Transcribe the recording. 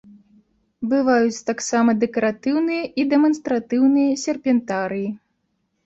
Бываюць таксама дэкаратыўныя і дэманстратыўныя серпентарыі.